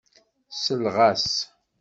Selleɣ-as.